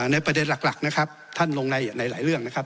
ในประเด็นหลักนะครับท่านลงในหลายเรื่องนะครับ